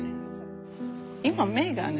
今目がね。